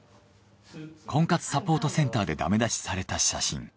婚活サポートセンターでダメ出しされた写真。